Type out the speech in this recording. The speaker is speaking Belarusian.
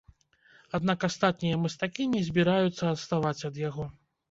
Аднак астатнія мастакі не збіраюцца адставаць ад яго.